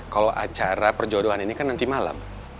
kalau acara perjodohan ini kan nanti malam